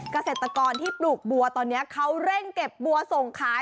เกษตรกรที่ปลูกบัวตอนนี้เขาเร่งเก็บบัวส่งขาย